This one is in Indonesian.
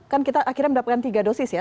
kan kita akhirnya mendapatkan tiga dosis ya